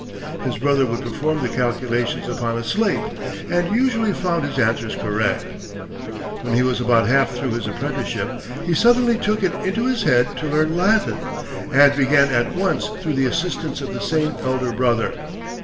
His brother would perform the calculations upon a slate, and usually found his answers correct. When he was about half through his apprenticeship he suddenly took it into his head to learn Latin, and began at once through the assistance of the same elder brother.